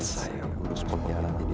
saya sudah percaya